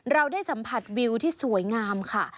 เราได้สัมผัสวิวที่สวยงามค่ะ